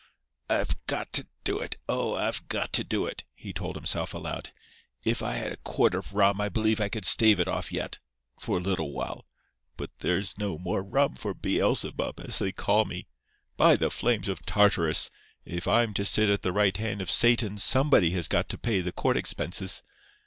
"I've got to do it—oh, I've got to do it," he told himself, aloud. "If I had a quart of rum I believe I could stave it off yet—for a little while. But there's no more rum for—'Beelzebub,' as they call me. By the flames of Tartarus! if I'm to sit at the right hand of Satan somebody has got to pay the court expenses.